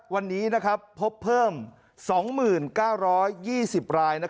วันนี้พบเพิ่ม๒๙๒๐ราย